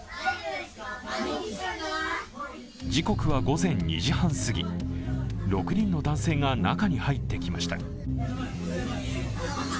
時刻は午前２時半すぎ、６人の男性が中に入ってきました。